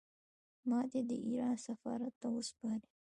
ما دې د ایران سفارت ته وسپاري.